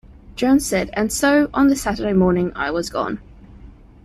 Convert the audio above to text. Jones said And so, on the Saturday morning I was gone.